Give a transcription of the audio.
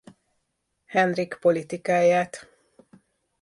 Henrik politikáját.